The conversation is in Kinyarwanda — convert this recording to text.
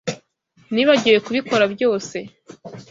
Nibagiwe kubikora ryose.